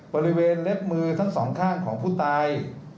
บริเวณเล็บมือทั้งสองข้างของผู้ตาย